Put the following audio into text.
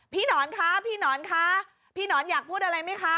หนอนคะพี่หนอนคะพี่หนอนอยากพูดอะไรไหมคะ